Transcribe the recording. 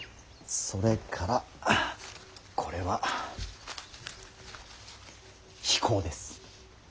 それからこれはヒコウです。